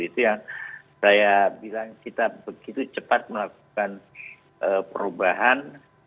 itu yang saya bilang kita begitu cepat melakukan perubahan